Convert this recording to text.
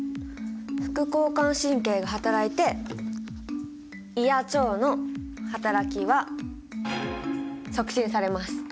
副交感神経がはたらいて胃や腸のはたらきは促進されます。